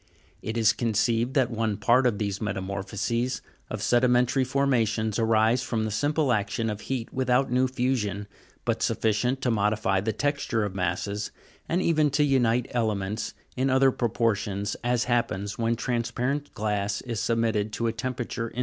It is conceived that one part of these metamorphoses of sedimentary forma tions arises from the simple action of heat without new fusion, but sufficient to modify the texture of masses, and even to unite elements in other propor tions, as happens when transparent glass is submitted to a temperature in.